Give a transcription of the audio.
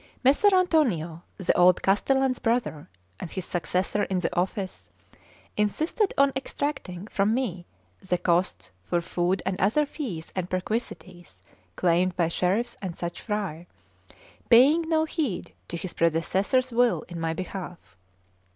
Messer Antonio, the old castellan's brother, and his successor in the office, insisted on extracting from me the costs for food and other fees and perquisites claimed by sheriffs and such fry, paying no heed to his predecessor's will in my behalf.